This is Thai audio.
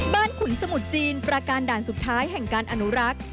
ขุนสมุทรจีนประการด่านสุดท้ายแห่งการอนุรักษ์